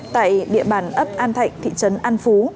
tại địa bàn ấp an thạnh thị trấn an phú